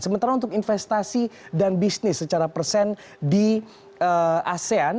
sementara untuk investasi dan bisnis secara persen di asean